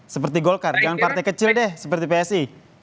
seperti golkar jangan partai kecil deh seperti psi